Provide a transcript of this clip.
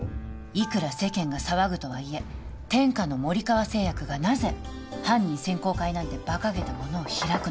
いくら世間が騒ぐとはいえ天下の森川製薬がなぜ犯人選考会なんてバカげたものを開くのか